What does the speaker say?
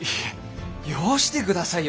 よして下さいよ。